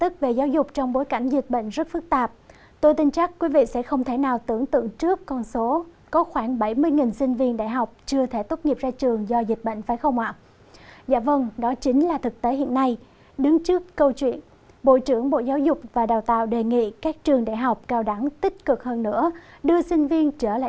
các bạn hãy đăng ký kênh để ủng hộ kênh của chúng mình nhé